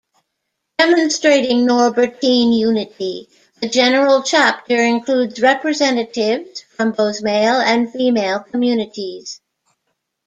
Demonstrating Norbertine unity, the general Chapter includes representatives from both male and female communities.